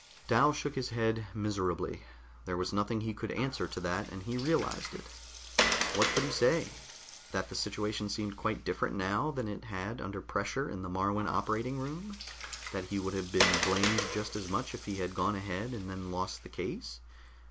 Dal shook his head miserably. There was nothing he could answer to that, and he realized it. What could he say? That the situation seemed quite different now than it had under pressure in the Moruan operating room? That he would have been blamed just as much if he had gone ahead, and then lost the case?